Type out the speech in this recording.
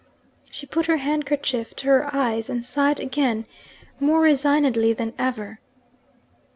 She put her handkerchief to her eyes, and sighed again more resignedly than ever.